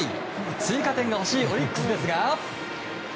追加点が欲しいオリックスですが。